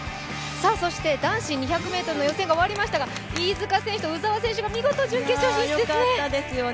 そして男子２００ｍの予選が終わりましたが、飯塚選手と鵜澤選手が見事、準決勝進出ですね。